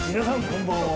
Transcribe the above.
こんばんは。